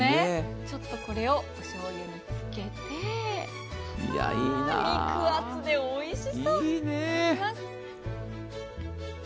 ちょっとこれをおしょうゆにつけて、肉厚でおいしそう。